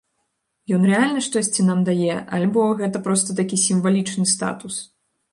Ён рэальна штосьці нам дае, альбо гэта проста такі сімвалічны статус?